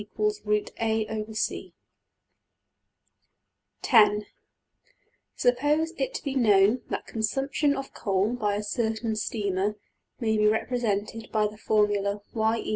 png}% \Item{(10)} Suppose it to be known that consumption of coal by a certain steamer may be represented by the formula $y = 0.